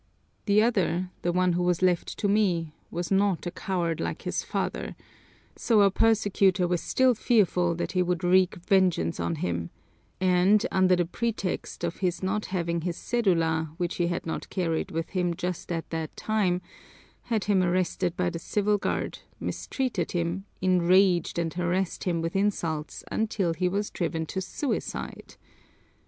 The other, the one who was left to me, was not a coward like his father, so our persecutor was still fearful that he would wreak vengeance on him, and, under the pretext of his not having his cedula, which he had not carried with him just at that time, had him arrested by the Civil Guard, mistreated him, enraged and harassed him with insults until he was driven to suicide!